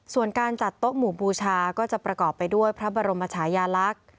ส่วนการจัดโต๊ะหมู่บูชาก็จะประกอบไปด้วยพระบรมชายาลักษณ์